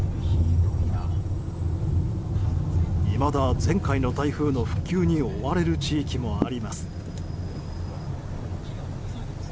いまだ前回の台風の復旧に追われる地域もあります。